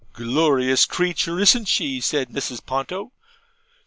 'Glorious creature! Isn't she?' said Mrs. Ponto.